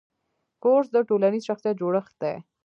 کورس د ټولنیز شخصیت جوړښت دی.